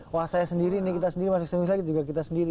wah saya sendiri ini kita sendiri masih sendiri lagi juga kita sendiri